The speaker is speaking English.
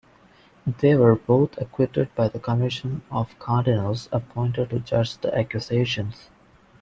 They were both acquitted by the Commission of Cardinals appointed to judge the accusations.